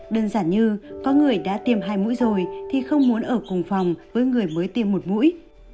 đơn giản như có người đã tiêm hai mũi rồi thì không muốn ở cùng phòng với người mới tiêm một mũi